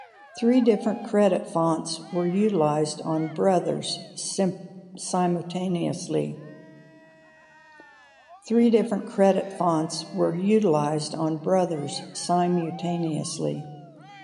Three different credit fonts were utilized on "Brothers" simultaneously.